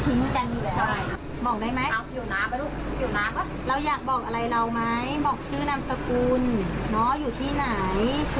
ใช่บอกได้ไหมเราอยากบอกอะไรเราไหมบอกชื่อนามสกุลอยู่ที่ไหน